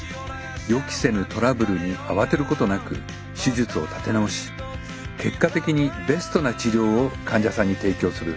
予期せぬトラブルに慌てることなく手術を立て直し結果的にベストな治療を患者さんに提供する。